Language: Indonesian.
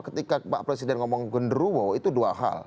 ketika presiden ngomong gendero itu dua hal